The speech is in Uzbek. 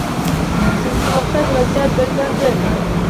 Shunga o‘xshash vaziyat bo‘lgandi